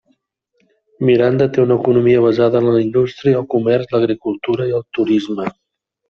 Miranda té una economia basada en la indústria, el comerç, l'agricultura i el turisme.